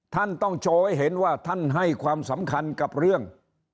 ท่านต้องโชว์ให้เห็นว่าท่านให้ความสำคัญกับเรื่อง